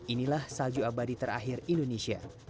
inilah salju abadi terakhir indonesia